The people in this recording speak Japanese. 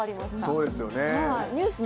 そうですよね。